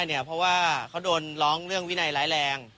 เพราะว่าเขาโดนร้องเรื่องวินัยร้ายแรง